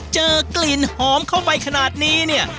เจอกลิ่นหอมเข้าไปขนาดนี้เนี่ย